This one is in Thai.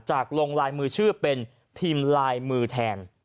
ลงลายมือชื่อเป็นพิมพ์ลายมือแทน